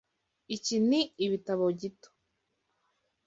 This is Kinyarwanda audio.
Iki ni ibitabo gito.